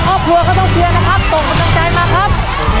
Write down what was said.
ครอบครัวก็ต้องเชียร์นะครับส่งกำลังใจมาครับ